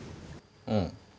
うん。